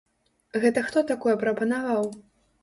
Гэта хто такое прапанаваў?